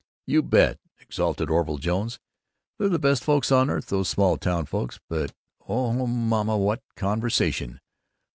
"You bet!" exulted Orville Jones. "They're the best folks on earth, those small town folks, but, oh, mama! what conversation!